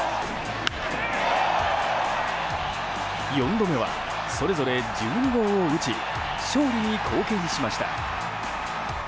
４度目はそれぞれ１２号を打ち勝利に貢献しました。